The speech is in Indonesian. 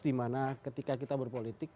di mana ketika kita berpolitik